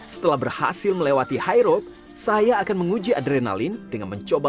setelah berhasil melewati high road saya akan menguji adrenalin dengan mencoba